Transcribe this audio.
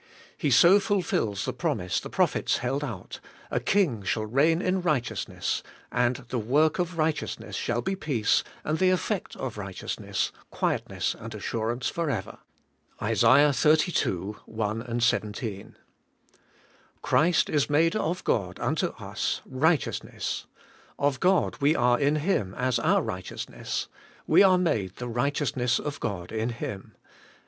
He so fulfils the promise the prophets held out: *A King shall reign in righteousness : and the work of right* eousness shall be peace, and the effect of righteous ness, quietness and assurance for ever' {Isa, xxxii. i, 17). Christ is made of God unto us righteousness; of God we are in Him as our righteousness; we are made the righteousness of God in Him.